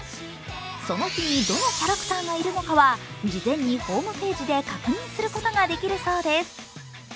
その日にどのキャラクターがいるのかは事前にホームページで確認することができるそうです。